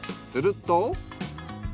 すると。